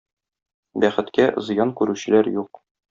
Бәхеткә, зыян күрүчеләр юк.